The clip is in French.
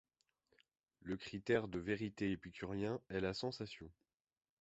Le critère de vérité épicurien est la sensation.